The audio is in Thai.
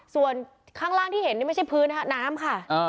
ส่วนข้างล่างที่เห็นนี่ไม่ใช่พื้นฮะน้ำค่ะ